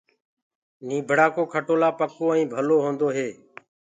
نيٚڀڙآ ڪو کٽولآ پڪو ائينٚ ڀلو هونٚدو هي